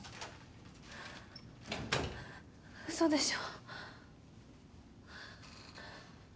嘘でしょ？